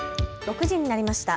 ６時になりました。